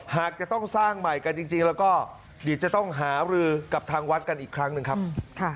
หากจะต้องสร้างใหม่กันจริงแล้วก็เดี๋ยวจะต้องหารือกับทางวัดกันอีกครั้งหนึ่งครับ